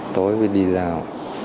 tối mới đi rào